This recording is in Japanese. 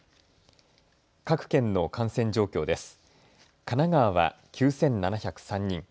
各県の感染状況です。